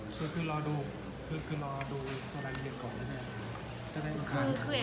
คือคือรอดูเรื่องตอนมันเวลาก่อนได้มั้ยค่ะ